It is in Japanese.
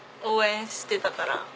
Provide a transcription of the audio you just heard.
応援してたから。